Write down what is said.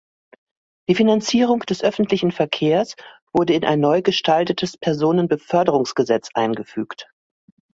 Die Finanzierung des öffentlichen Verkehrs wurde in ein neu gestaltetes Personenbeförderungsgesetz eingefügt.